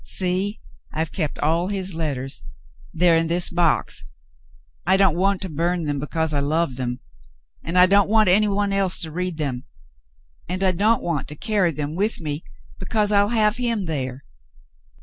See ? I've kept all his letters. They're in this box. I don't want to burn them because I love them ; and I don't want any one else to read them ; and I don't want to carry them with me because I'll have him there.